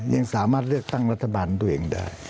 ยังสามารถเลือกตั้งรัฐบาลตัวเองได้